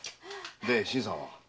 で新さんは？